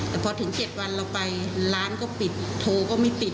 แต่พอถึง๗วันเราไปร้านก็ปิดโทรก็ไม่ปิด